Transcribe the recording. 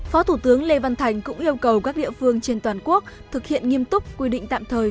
phó thủ tướng lê văn thành cũng yêu cầu các địa phương trên toàn quốc thực hiện nghiêm túc quy định tạm thời